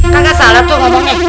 kakak salah tuh ngomongnya